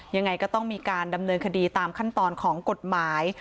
ยังไงก็ต้องมีการดำเนินคดีตามขั้นตอนของกฎหมาย